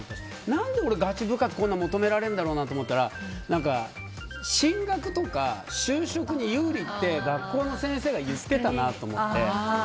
なんでガチ部活が求められるんだろうと思ったら進学とか就職に有利って学校の先生が言ってたなと思って。